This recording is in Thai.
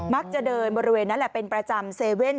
มักจะเดินบริเวณนั้นแหละเป็นประจำเซเว่น